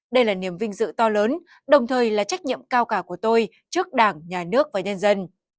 đây là niềm vinh dự to lớn đồng thời là trách nhiệm cao cả của tôi trước đảng nhà nước và nhân dân